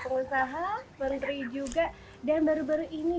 pengusaha menteri juga dan baru baru ini